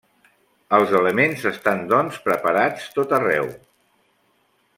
Els elements estan doncs preparats tot arreu.